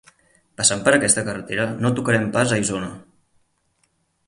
Passant per aquesta carretera, no tocarem pas a Isona.